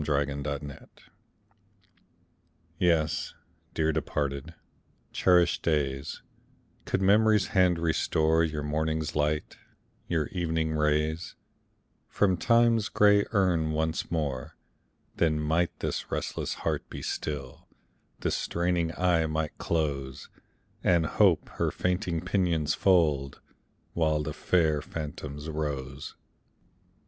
DEPARTED DAYS YES, dear departed, cherished days, Could Memory's hand restore Your morning light, your evening rays, From Time's gray urn once more, Then might this restless heart be still, This straining eye might close, And Hope her fainting pinions fold, While the fair phantoms rose.